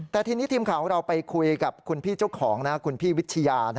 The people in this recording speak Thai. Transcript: แต่ทีนี้ทีมข่าวของเราไปคุยกับคุณพี่เจ้าของนะคุณพี่วิทยา